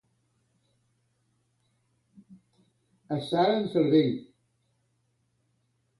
Estar en cervell.